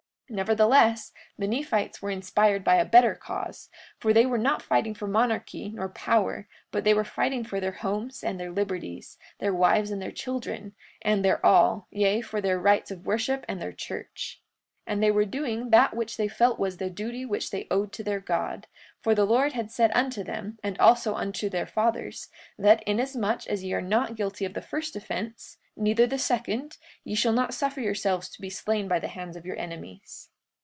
43:45 Nevertheless, the Nephites were inspired by a better cause, for they were not fighting for monarchy nor power but they were fighting for their homes and their liberties, their wives and their children, and their all, yea, for their rites of worship and their church. 43:46 And they were doing that which they felt was the duty which they owed to their God; for the Lord had said unto them, and also unto their fathers, that: Inasmuch as ye are not guilty of the first offense, neither the second, ye shall not suffer yourselves to be slain by the hands of your enemies.